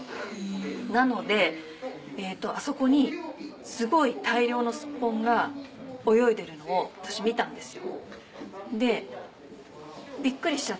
なのであそこにすごい大量のスッポンが泳いでるのを私見たんですよ。